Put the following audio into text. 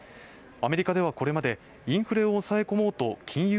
アメリカではこれまでインフレを抑え込もうと金融